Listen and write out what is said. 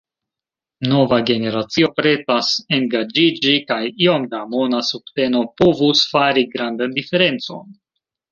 Nova generacio pretas engaĝiĝi, kaj iom da mona subteno povus fari grandan diferencon.